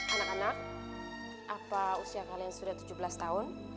anak anak apa usia kalian sudah tujuh belas tahun